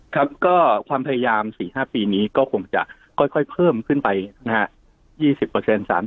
ครับก็ความพยายาม๔๕ปีนี้ก็คงจะค่อยเพิ่มขึ้นไปนะฮะ